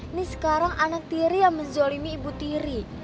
ini sekarang anak tiri yang menzolimi ibu tiri